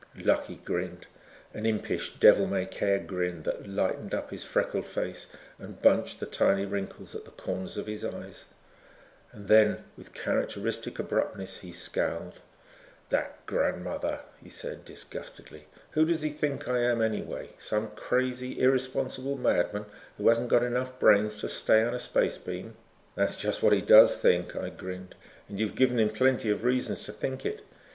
Lucky grinned, an impish, devil may care grin that lightened up his freckled face and bunched the tiny wrinkles at the corners of his eyes. Then with characteristic abruptness he scowled. "That grandmother," he said disgustedly. "Who does he think I am, anyway? Some crazy irresponsible madman who hasn't got enough brains to stay on a space beam?" "That's just what he does think," I grinned, "and you've given him plenty of reason to think it.